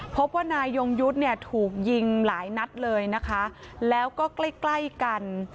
พบว่านายยงยุทธ์เนี่ยถูกยิงหลายนัดเลยนะคะแล้วก็ใกล้ใกล้กัน